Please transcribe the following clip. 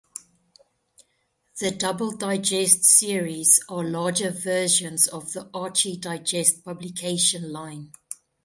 The Double Digest series are larger versions of the Archie Digest publication line.